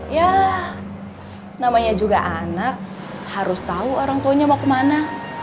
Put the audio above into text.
ya namanya juga anak harus tahu orang tuanya mau kemana